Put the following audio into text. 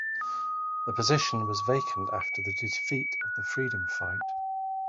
The position was vacant after the defeat of the freedom fight.